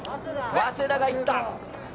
早稲田が行った。